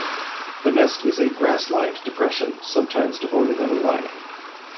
The nest is a grass-lined depression, sometimes devoid of any lining.